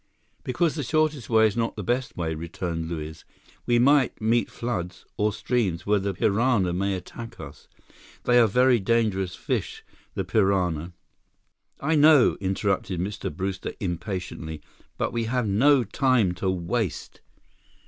"Because the shortest way is not the best way," returned Luiz. "We might meet floods, or streams where the piranha may attack us. They are very dangerous fish, the piranha—" "I know," interrupted Mr. Brewster impatiently, "but we have no time to waste."